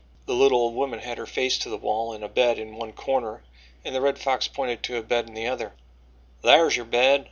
The little old woman had her face to the wall in a bed in one corner and the Red Fox pointed to a bed in the other: "Thar's yo' bed."